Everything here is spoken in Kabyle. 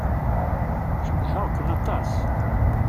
Cedhaɣ-ken aṭas.